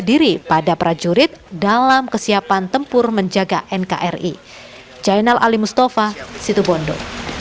berbagai tambahan alusista baru ini diharapkan bisa memberi rasa percaya